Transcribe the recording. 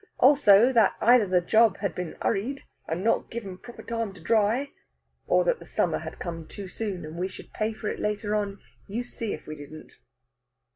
Also, that either the job had been 'urried, and not giv' proper time to dry, or that the summer had come too soon, and we should pay for it later on, you see if we didn't!